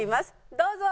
どうぞ。